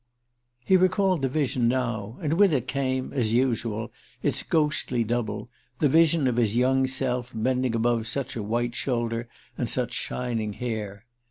He recalled the vision now; and with it came, as usual, its ghostly double: the vision of his young self bending above such a white shoulder and such shining hair.